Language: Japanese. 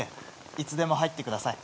いつでも入ってください。